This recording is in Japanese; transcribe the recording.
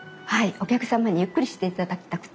お客様にゆっくりしていただきたくて。